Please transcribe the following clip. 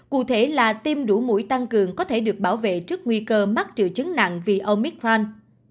cụ thể là tiêm đủ mũi tăng cường có thể được bảo vệ trước nguy cơ mắc triệu chứng nặng vì omicron